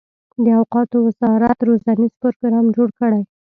د اوقافو وزارت روزنیز پروګرام جوړ کړي.